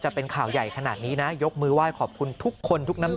จะเป็นข่าวใหญ่ขนาดนี้นะยกมือไหว้ขอบคุณทุกคนทุกน้ำ